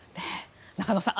中野さん